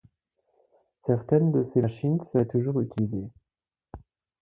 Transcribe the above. Certaines de ces machines seraient toujours utilisées.